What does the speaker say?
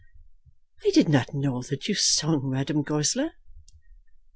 "I did not know that you sung, Madame Goesler."